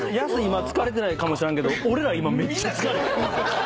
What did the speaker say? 今疲れてないかもしらんけど俺ら今めっちゃ疲れてる！